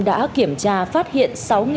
đã kiểm tra phát hiện sáu bảy trăm linh bốn